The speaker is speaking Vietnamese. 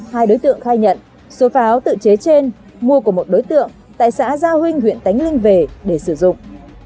hai đối tượng khai nhận số pháo tự chế trên mua của một đối tượng tại xã giao huynh huyện tánh linh về để sử dụng